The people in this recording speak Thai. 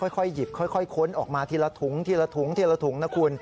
ค่อยหยิบค่อยค้นออกมาทีละถุงทีละถุงทีละถุงนะคุณ